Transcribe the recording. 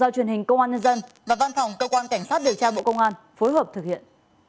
do truyền hình công an nhân dân và văn phòng cơ quan cảnh sát điều tra bộ công an phối hợp thực hiện